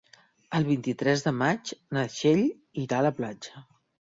El vint-i-tres de maig na Txell irà a la platja.